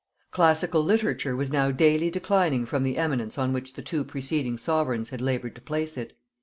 Classical literature was now daily declining from the eminence on which the two preceding sovereigns had labored to place it.